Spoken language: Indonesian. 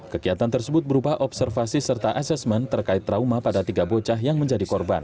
kegiatan tersebut berupa observasi serta asesmen terkait trauma pada tiga bocah yang menjadi korban